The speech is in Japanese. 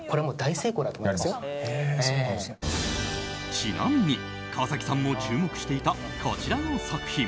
ちなみに川崎さんも注目していたこちらの作品。